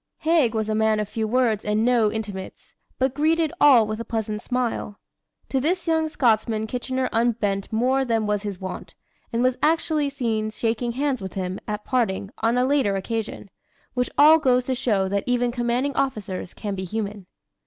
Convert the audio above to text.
Haig was a man of few words and no intimates, but greeted all with a pleasant smile. To this young Scotsman Kitchener unbent more than was his wont, and was actually seen shaking hands with him, at parting, on a later occasion; which all goes to show that even commanding officers can be human.